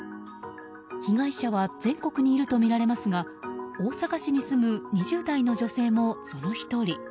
被害者は全国にいるとみられますが大阪市に住む２０代の女性もその１人。